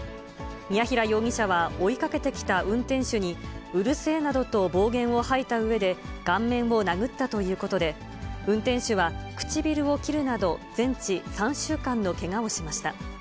ミヤヒラ容疑者は追いかけてきた運転手に、うるせえなどと暴言を吐いたうえで、顔面を殴ったということで、運転手は唇を切るなど、全治３週間のけがをしました。